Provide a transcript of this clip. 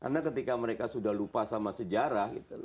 karena ketika mereka sudah lupa sama sejarah